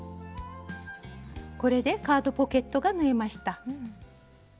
これでカードポケットが縫えました。